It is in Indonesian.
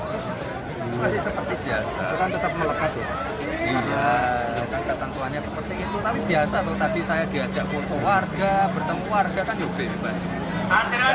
iya kan ketentuannya seperti itu tapi biasa tuh tadi saya diajak foto warga bertemu warga saya kan juga bebas